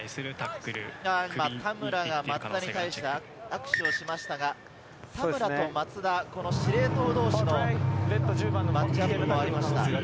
田村が松田に対して握手をしましたが、田村と松田、司令塔同士のマッチアップもありました。